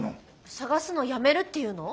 捜すのやめるっていうの？